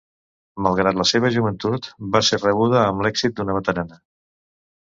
Malgrat la seva joventut, va ser rebuda amb l'èxit d'una veterana.